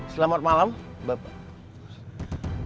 selamat malam bapak